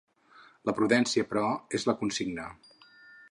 La prudència, però, és la consigna.